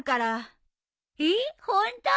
えっホント？